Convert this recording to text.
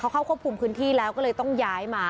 เข้าควบคุมพื้นที่แล้วก็เลยต้องย้ายมา